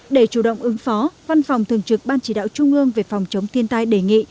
để chủ động ứng phó văn phòng thường trực ban chỉ đạo trung ương về phòng chống thiên tai đề nghị